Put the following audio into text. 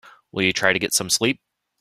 Will you try to get some sleep?